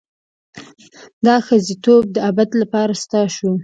دا ښځتوب د ابد لپاره ستا شو.